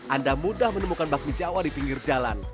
anda mudah menemukan bakmi jawa di pinggir jalan